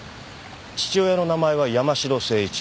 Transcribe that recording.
父親の名前は山城誠一。